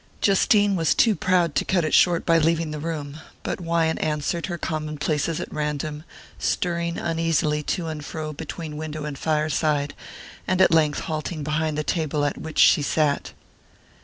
Justine was too proud to cut it short by leaving the room; but Wyant answered her commonplaces at random, stirring uneasily to and fro between window and fireside, and at length halting behind the table at which she sat.